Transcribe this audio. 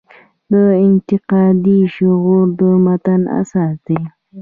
د انتقادي شعور و متن اساس دی.